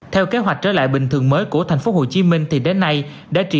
theo kế hoạch trở lại bình thường mới của thành phố hồ chí minh thì đến nay đã trị